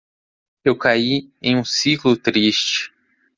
Eu caí em um ciclo triste